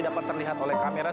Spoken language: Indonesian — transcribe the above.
dapat terlihat oleh kamera